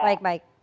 baik baik oke